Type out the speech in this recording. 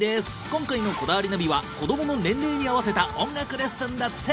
今回の『こだわりナビ』は子どもの年齢に合わせた音楽レッスンだって！